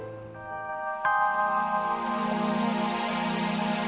tuhan aku ingin menang